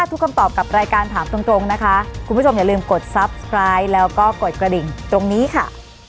วันนี้สวัสดีค่ะ